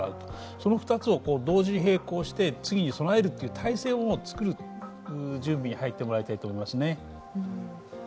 その２つを同時並行して次に備えるという体制をつくる準備に入ってもらいたいと思いますね。